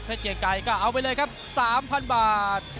เกียรไก่ก็เอาไปเลยครับ๓๐๐บาท